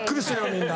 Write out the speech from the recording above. みんな。